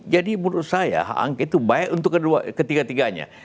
jadi menurut saya hak angket itu baik untuk ketiga tiganya